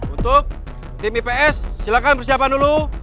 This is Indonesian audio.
untuk tim ips silakan persiapan dulu